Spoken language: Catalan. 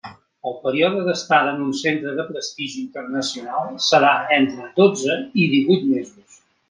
El període d'estada en un centre de prestigi internacional serà entre dotze i díhuit mesos.